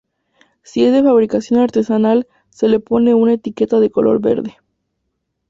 Si es de fabricación artesanal, se le pone una etiqueta de color verde.